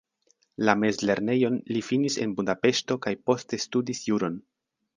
La mezlernejon li finis en Budapeŝto kaj poste studis juron.